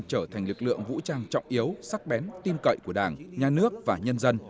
trở thành lực lượng vũ trang trọng yếu sắc bén tim cậy của đảng nhà nước và nhân dân